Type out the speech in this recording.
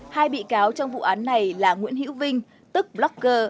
hai bị cáo trong vụ án này là nguyễn hữu vinh tức blacker